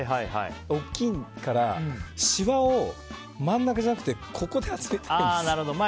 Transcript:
大きいからしわを真ん中じゃなくてここで集めたいんです。